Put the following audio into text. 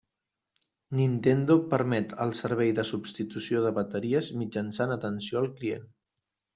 Nintendo permet el servei de substitució de bateries mitjançant atenció al client.